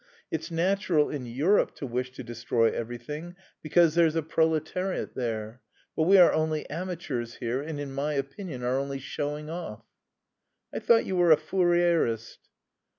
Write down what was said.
It's natural in Europe to wish to destroy everything because there's a proletariat there, but we are only amateurs here and in my opinion are only showing off." "I thought you were a Fourierist."